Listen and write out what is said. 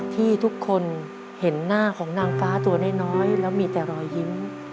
ที่ทุกคนเห็นหน้าของนางฟ้าตัวน้อยแล้วมีแต่รอยยิ้ม